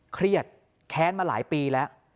เครียดแค้นมาหลายปีแล้ว